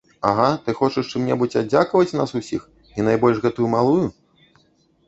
Ага, ты хочаш чым-небудзь аддзякаваць нас усіх і найбольш гэтую малую?